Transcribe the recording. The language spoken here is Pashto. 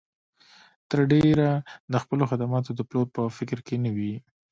تر ډېره د خپلو خدماتو د پلور په فکر کې نه وي.